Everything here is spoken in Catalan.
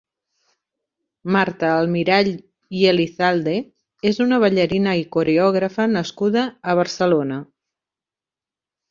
Marta Almirall i Elizalde és una ballarina i coreògrafa nascuda a Barcelona.